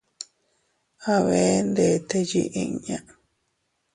A bee ndete yiʼi inña.